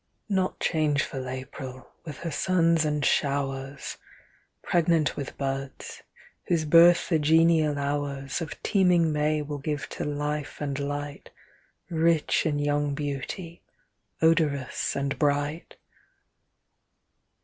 Not changeful April, with her suns and showers, Pregnant with buds, whose birth the genial hours Of teaming May will give to life and light Kich in young beauty, odorous and bright.